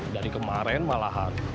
dari kemarin malahan